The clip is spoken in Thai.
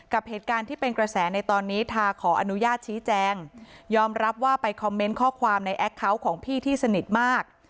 กับเหตุการณ์ที่เป็นกระแสในตอนนี้ทาขออนุญาตชี้แจงยอมรับว่าไปคอมเมนต์ข้อความในแอคเคาน์ของพี่ที่สนิทมาก